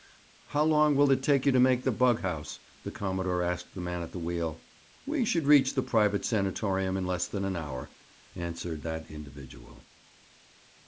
"How long will it take you to make the bug house?" the commodore asked the man at the wheel. "We should reach the private sanatorium in less than an hour," answered that individual.